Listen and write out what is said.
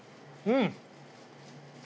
うん！